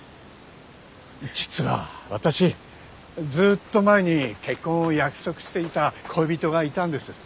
実は私ずっと前に結婚を約束していた恋人がいたんです。